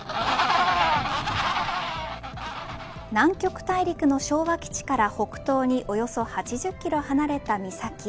南極大陸の昭和基地から北東におよそ８０キロ離れた岬。